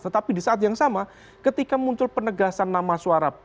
tetapi di saat yang sama ketika muncul penegasan nama suara